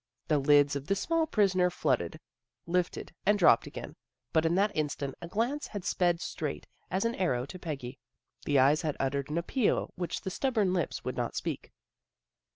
The lids of the small prisoner fluttered, lifted, and dropped again, but in that instant a glance had sped straight as an arrow to Peggy. The eyes had uttered an appeal which the stubborn lips would not speak.